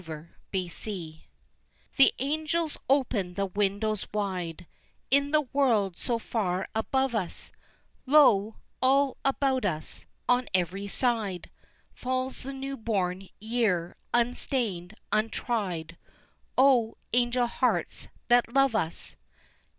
The King's Gift The angels open the windows wide In the world so far above us, Lo, all about us, on every side, Falls the newborn year unstained, untried, O, angel hearts that love us!